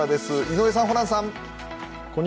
井上さん、ホランさん。